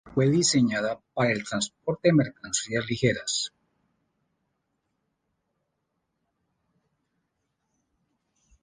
Fue diseñada para el transporte de mercancías ligeras.